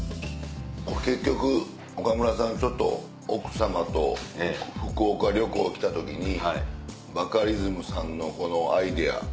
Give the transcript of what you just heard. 結局岡村さんちょっと奥さまと福岡旅行来た時にバカリズムさんのアイデア。